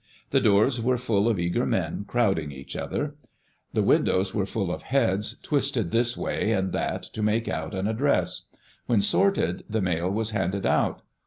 The doors were full of eager men, crowding each other. The windows were full of heads, twisted this way and that to make out an address. When sorted, the mail was handed out.